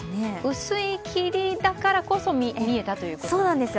薄い霧だからこそ見えたということですね？